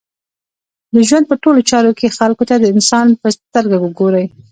د ژوند په ټولو چارو کښي خلکو ته د انسان په سترګه ګورئ!